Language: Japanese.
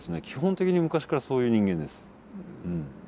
基本的に昔からそういう人間です。